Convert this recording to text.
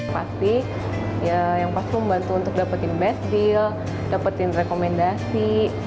pasti yang pasti membantu untuk mendapatkan best deal mendapatkan rekomendasi